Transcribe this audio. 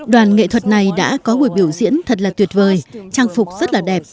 đoàn nghệ thuật này đã có buổi biểu diễn thật là tuyệt vời trang phục rất là đẹp